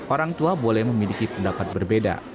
orang tua boleh memiliki pendapat berbeda